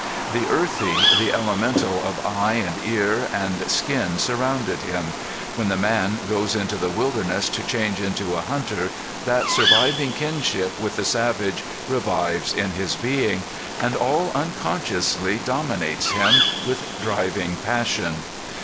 The earthy, the elemental of eye and ear and skin surrounded him. When the man goes into the wilderness to change into a hunter that surviving kinship with the savage revives in his being, and all unconsciously dominates him with driving passion.